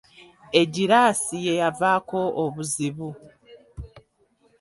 Eggiraasi ye yavaako obuzibu.